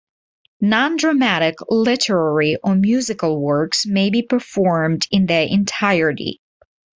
Nondramatic literary or musical works may be performed in their entirety.